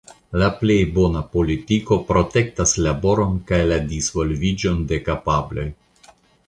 La plej bona politiko protektas laboron kaj la disvolviĝon de kapabloj.